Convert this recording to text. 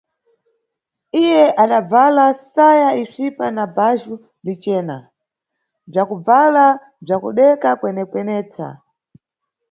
Iye adabvala saya isvipa na bajhu licena, bvakubvala bzakudeka kwenekwenesa.